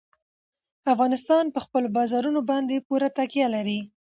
افغانستان په خپلو بارانونو باندې پوره تکیه لري.